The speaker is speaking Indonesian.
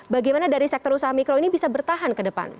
bagaimana dari sektor usaha mikro ini bisa bertahan ke depan